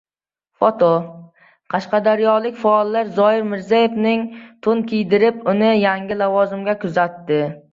Foto: Qashqadaryolik faollar Zoir Mirzayevga to‘n kiydirib, uni yangi lavozimga kuzatdi